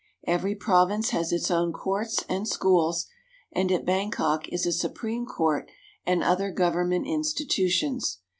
Every province has its own courts and schools, and at Bangkok is a Supreme Court and other government institutions.